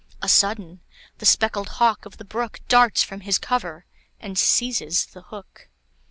A sudden, the speckled hawk of the brook Darts from his cover and seizes the hook.